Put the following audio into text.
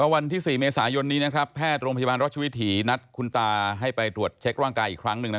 วันที่๔เมษายนนี้แพทย์โรงพยาบาลรัชวิถีนัดคุณตาให้ไปตรวจเช็คร่างกายอีกครั้งหนึ่ง